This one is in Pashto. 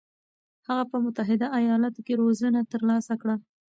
هغه په متحده ایالاتو کې روزنه ترلاسه کړه.